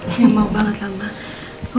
iya mau banget lah ma